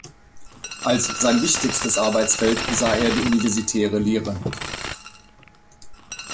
Als sein wichtigstes Arbeitsfeld sah er die universitäre Lehre.